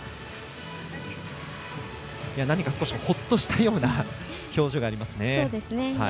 何か少しほっとしたような表情がありますね。